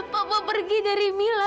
papa pergi dari mila